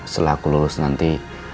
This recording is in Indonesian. setelah aku lulus nanti